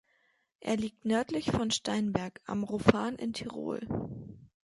Er liegt nördlich von Steinberg am Rofan in Tirol.